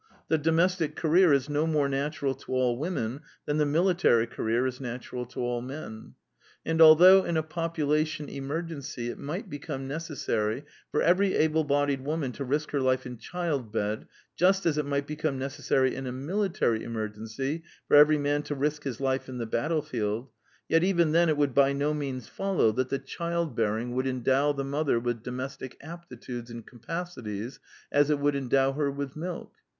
The domestic career is no more natural to all women than the military career is natural to all men ; and although in a population emergency it might be come necessary for every able bodied woman to risk her life in childbed just as it might become necessary in a military emergency for every man to risk his life in the batdefield, yet even then it would by no means follow that the child bearing The Womanly Woman 45 would endow the mother with domestic aptitudes and capacities as it would endow her with milk.